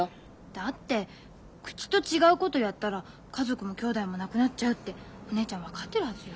だって口と違うことやったら家族も姉妹もなくなっちゃうってお姉ちゃん分かってるはずよ。